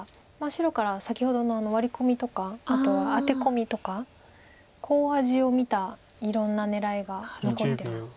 白から先ほどのワリ込みとかあとはアテ込みとかコウ味を見たいろんな狙いが残ってます。